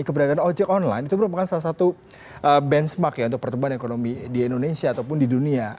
keberadaan ojek online itu merupakan salah satu benchmark ya untuk pertumbuhan ekonomi di indonesia ataupun di dunia